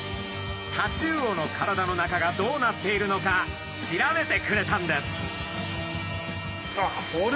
タチウオの体の中がどうなっているのか調べてくれたんです。